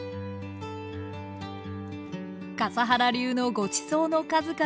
笠原流のごちそうの数々。